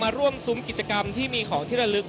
ร่วมซุ้มกิจกรรมที่มีของที่ระลึก